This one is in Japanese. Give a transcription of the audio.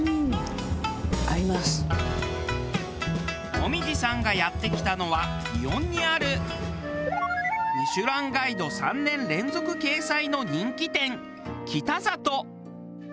紅葉さんがやって来たのは園にある『ミシュランガイド』３年連続掲載の人気店きたざと。